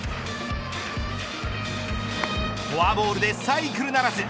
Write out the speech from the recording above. フォアボールでサイクルならず。